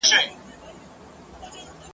ته دښمنه یې د خپلو چي تنها یې ..